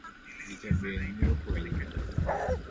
Gicha be ne okonyi?